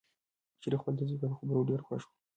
شریف د خپل زوی په خبرو ډېر خوښ شو.